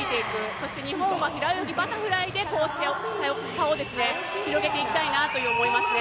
そして日本は平泳ぎ、バタフライで差を広げていきたいと思いますね。